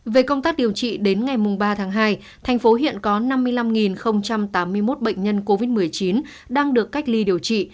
về công tác điều trị đến ngày ba tháng hai thành phố hiện có năm mươi năm tám mươi một bệnh nhân covid một mươi chín đang được cách ly điều trị